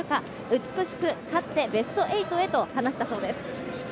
美しく勝って、ベスト８へと話したそうです。